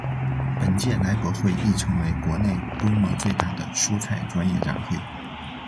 本届菜博会亦成为国内规模最大的蔬菜专业展会。